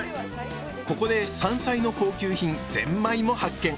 ここで山菜の高級品ぜんまいも発見！